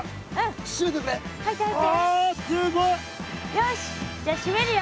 よしじゃ閉めるよ。